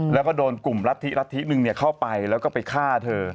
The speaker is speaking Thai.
แล้วก็โดนกลุ่มรัฐธิรัฐธินึงเข้าไปแล้วก็ไปฆ่าเธอ